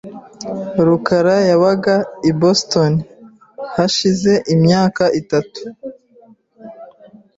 rukara yabaga i Boston hashize imyaka itatu .